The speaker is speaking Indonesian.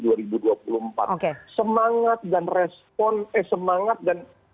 semangat dan respon eh semangat dan